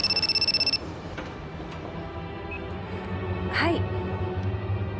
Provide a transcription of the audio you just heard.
はい。